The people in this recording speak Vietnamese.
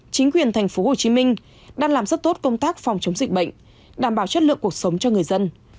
chính quyền thành phố hồ chí minh đang làm rất tốt công tác phòng chống dịch bệnh đảm bảo chất lượng cuộc sống cho người dân